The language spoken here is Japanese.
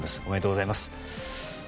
おめでとうございます。